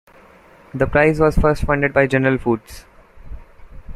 The prize was first funded by General Foods.